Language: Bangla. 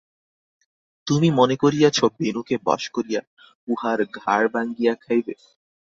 তুমি মনে করিয়াছ বেণুকে বশ করিয়া উহার ঘাড় ভাঙিয়া খাইবে।